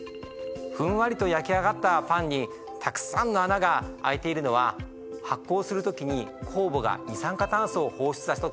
ふんわりと焼き上がったパンにたくさんの穴が開いているのは発酵する時に酵母が二酸化炭素を放出させた時の気泡の跡なんです。